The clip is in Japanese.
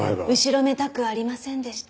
後ろめたくありませんでした？